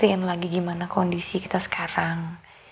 lagi gimana kondisi kita sekarang